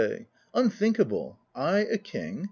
Unthinkable! I a king?